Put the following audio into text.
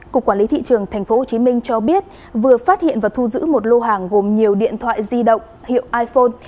cục quản lý thị trường tp hcm cho biết vừa phát hiện và thu giữ một lô hàng gồm nhiều điện thoại di động hiệu iphone